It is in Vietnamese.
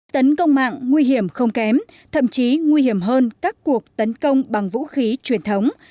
tấn công mạng nguy hiểm không kém thậm chí nguy hiểm hơn các cuộc tấn công bằng vũ khí truyền thống